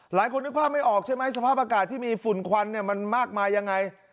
หลายคนนึกภาพไม่ออกใช่ไหมสภาพอากาศที่มีฝุ่นควันเนี่ยมันมากมายังไง